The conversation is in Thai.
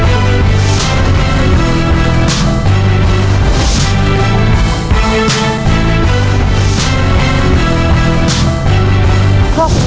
เกมต่อชีวิตวันนี้เราขอมอบโอกาสให้กับครอบครัวที่ใหญ่